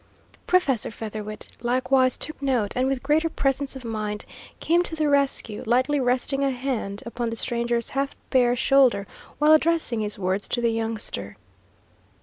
Professor Featherwit likewise took note, and with greater presence of mind came to the rescue, lightly resting a hand upon the stranger's half bare shoulder while addressing his words to the youngster.